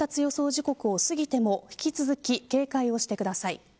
時刻をすぎても引き続き警戒をしてください。